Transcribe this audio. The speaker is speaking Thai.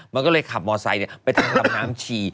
มันก็เลยขับมอเซจไปทำน้ำชี